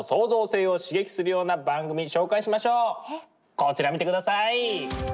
こちら見てください。